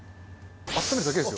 温めるだけですよ。